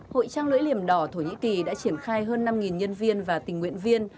hội trang lưỡi liềm đỏ thổ nhĩ kỳ đã triển khai hơn năm nhân viên và tình nguyện viên